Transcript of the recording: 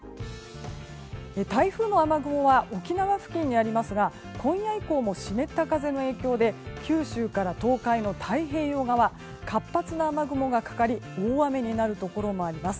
台風の雨雲は沖縄付近にありますが今夜以降も湿った風の影響で九州から東海の太平洋側活発な雨雲がかかり大雨になるところもあります。